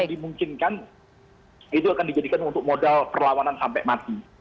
dimungkinkan itu akan dijadikan untuk modal perlawanan sampai mati